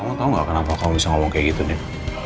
kamu tau gak kenapa kamu bisa ngomong kayak gitu deh